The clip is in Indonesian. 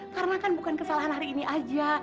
karena kan bukan kesalahan hari ini aja